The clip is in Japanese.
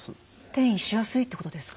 転移しやすいってことですか？